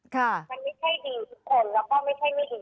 มันไม่ใช่ดีทุกคนแล้วก็ไม่ใช่ไม่ดี